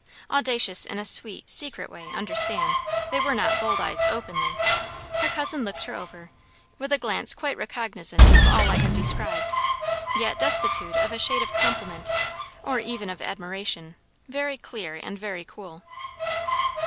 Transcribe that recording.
Audacious in a sweet, secret way, understand; they were not bold eyes, openly. Her cousin looked her over, with a glance quite recognisant of all I have described, yet destitute of a shade of compliment or even of admiration; very clear and very cool.